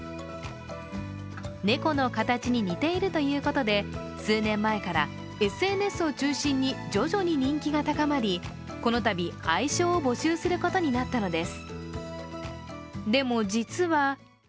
猫の形に似ているということで数年前からＳＮＳを中心に徐々に人気が高まり、このたび愛称を募集することになったのです。